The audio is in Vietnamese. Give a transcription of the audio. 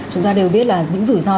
chúng ta đều biết là những rủi ro